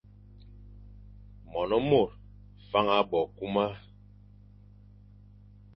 Mone mor faña bo kuma.